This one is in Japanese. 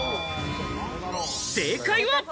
正解は？